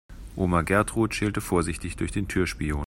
Oma Gertrud schielte vorsichtig durch den Türspion.